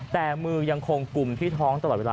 แต่มือยังคงกุมที่ท้องตลอดเวลา